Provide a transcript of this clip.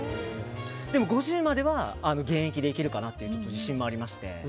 でも、５０までは現役でいけるかなという自信もありまして。